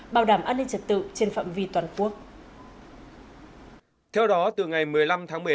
bảo đảm an ninh trật tự trên phạm vi toàn quốc